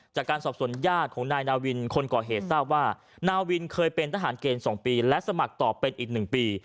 จากการสอบส่วนญาติของนายนาวินคนก่อเหตุทราบว่านาวินเคยเป็นทหารเกณฑ์๒ปีและสมัครต่อเป็นอีก๑ปี